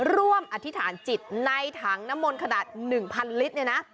ร่วมอธิษฐานจิตในถังน้ำมนต์ขนาด๑๐๐๐ลิตร